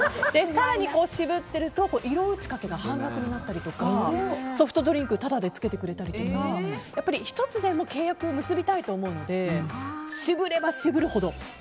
更に渋っていると色内掛けが半額になったりとかソフトドリンクタダでつけてくれたりとか１つでも契約を結びたいと思うので渋れば渋るほど。